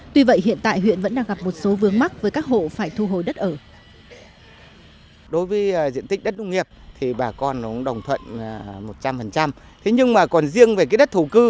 tuy vậy hiện tại huyện vẫn đang gặp một số vướng mắc với các hộ phải thu hồi đất ở